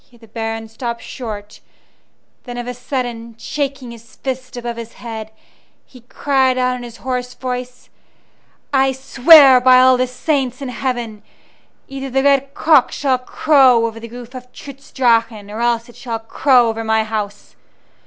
Here the Baron stopped short; then of a sudden, shaking his fist above his head, he cried out in his hoarse voice: "I swear by all the saints in heaven, either the red cock shall crow over the roof of Trutz Drachen or else it shall crow over my house!